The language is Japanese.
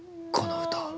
この歌。